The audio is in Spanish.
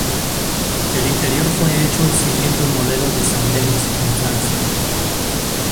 El interior fue hecho siguiendo el modelo de San Denis en Francia.